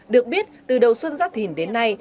được biết từ đầu xuân giáp thỉnh đến nay